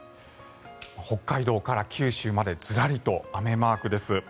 北海道から九州までずらりと雨マークです。